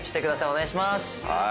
お願いします。